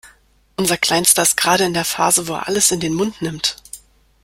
Unser Kleinster ist gerade in der Phase, wo er alles in den Mund nimmt.